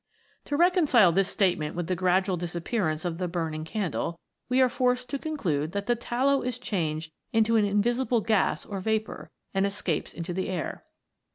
To reconcile this statement with the gradual disappearance of the burning candle, we are forced to conclude that the tallow is changed into an invisible gas or vapour, and escapes into the air.